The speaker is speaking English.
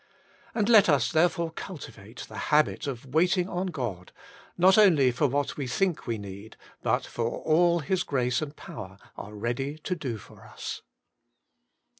And let us therefore cultivate the habit of waiting on God, not only for what we think we need, but for all His grace and power are ready to do for us.